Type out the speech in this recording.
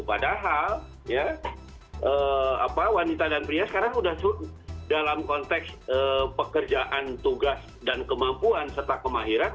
padahal wanita dan pria sekarang sudah dalam konteks pekerjaan tugas dan kemampuan serta kemahiran